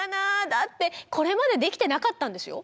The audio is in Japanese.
だってこれまでできてなかったんですよ。